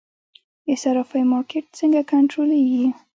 د صرافیو مارکیټ څنګه کنټرولیږي؟